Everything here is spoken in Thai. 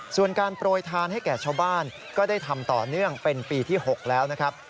ส่วนการโปรยทานให้แก่ชาวบ้านก็ได้ทำต่อเนื่องเป็นปีที่๖แล้วนะครับ